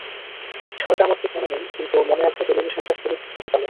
সালটা আমার ঠিক মনে নেই, কিন্তু মনে আছে টেলিভিশনটা ফিলিপস সাদাকালো।